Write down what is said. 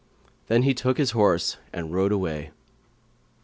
Then he took horse and rode away.